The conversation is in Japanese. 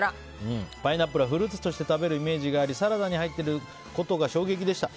パイナップルはフルーツとして食べるイメージがありサラダに入っていることが衝撃でした。